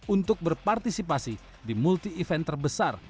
untuk berpartisipasi di multi event terbesar